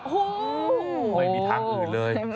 ไม่มีทางอื่นเลย